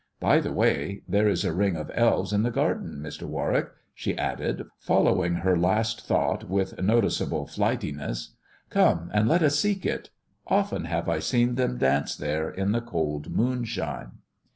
By the way, there is a Ring of Elves in the garden, Mr. Warwick," she added, following her last thought with noticeable flightiness. " Come and let us seek it. Often have I seen them dance there in the cold moonshine."